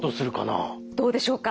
どうでしょうか。